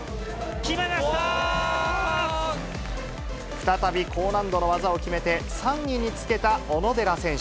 再び高難度の技を決めて、３位につけた小野寺選手。